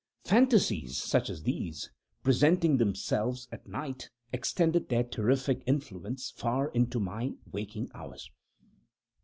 Phantasies such as these, presenting themselves at night, extended their terrific influence far into my waking hours.